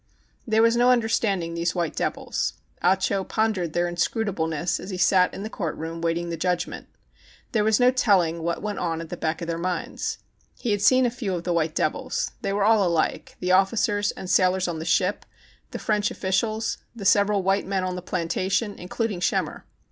There was no understanding these white devils. Ah Cho pondered their inscrutableness as he sat in the court room waiting the judgment. There was no telling what went on at the back of their minds. He had seen a fev/ of the white devils. They were all alike ã the officers and sailors on the ship, the French officials, the several white men on the plantation, in cluding Schemmer.